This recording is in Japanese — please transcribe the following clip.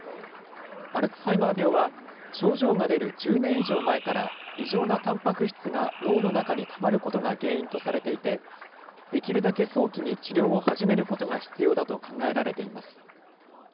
アルツハイマー病は、症状が出る１０年以上前から、異常なたんぱく質が脳の中にたまることが原因とされていて、できるだけ早期に治療を始めることが必要だと考えられています。